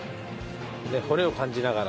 骨を感じながら。